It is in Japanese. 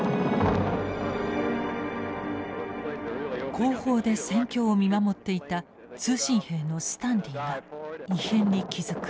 後方で戦況を見守っていた通信兵のスタンリーが異変に気付く。